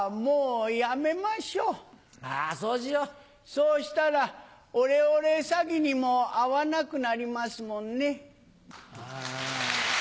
そうしたらオレオレ詐欺にも遭わなくなりますもんね。